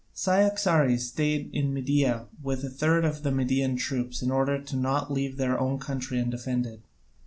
Cyaxares stayed in Media with a third of the Median troops in order not to leave their own country undefended.